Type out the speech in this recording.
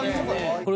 これ。